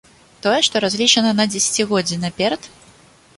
Тое, што разлічана на дзесяцігоддзі наперад?